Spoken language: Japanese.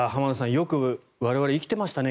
よく我々生きてましたね